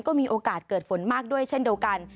ก็มีโอกาสเกิดฝนมากด้วยเช่นเดียวกัน